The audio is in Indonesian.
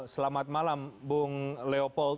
selamat malam bung leopold